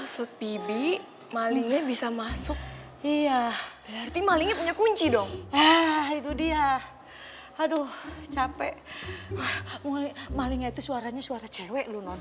sampai malingnya itu suaranya suara cewek lu non